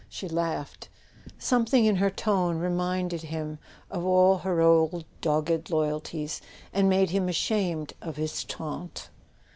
" she laughed. Something in her tone reminded him of all her old dogged loyalties, and made him ashamed of his taunt.